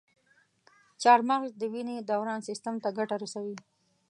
چارمغز د وینې دوران سیستم ته ګټه رسوي.